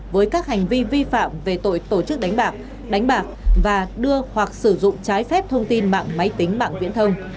với các hành vi vi phạm về tội tổ chức đánh bạc đánh bạc và đưa hoặc sử dụng trái phép thông tin mạng máy tính mạng viễn thông